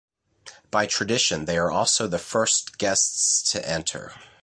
By tradition they are also the first guests to enter.